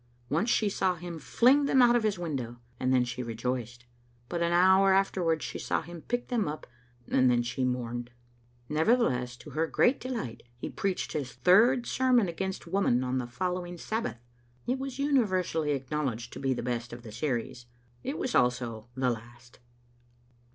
Once she saw him fling them out of his window, and then she rejoiced. But an hour afterwards she saw him pick them up, and then she mourned. Nevertheless, to her great delight, he preached his third sermon against Woman on the follow ing Sabbath. It was universally acknowledged to be the best of the series. It was also the last.